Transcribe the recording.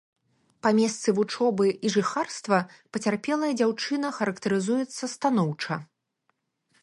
Па месцы вучобы і жыхарства пацярпелая дзяўчына характарызуецца станоўча.